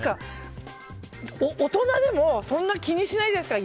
大人でもそんな気にしないじゃないですか。